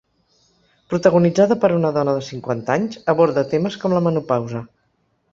Protagonitzada per una dona de cinquanta anys, aborda temes com la menopausa.